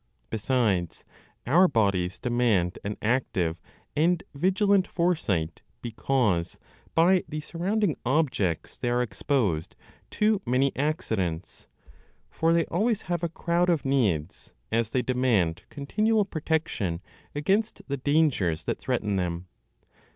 Besides, our bodies demand an active and vigilant foresight, because, by the surrounding objects they are exposed to many accidents; for they always have a crowd of needs, as they demand continual protection against the dangers that threaten them.